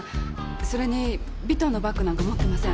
それにヴィトンのバッグなんか持ってません。